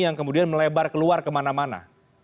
yang kemudian melebar keluar kemana mana